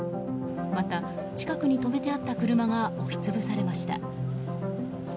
また、近くに止めてあった車が押し潰されました。